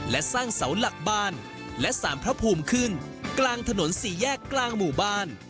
และสร้างเสาหลักบ้านและสารพระภูมิขึ้นกลางถนนสี่แยกกลางหมู่บ้าน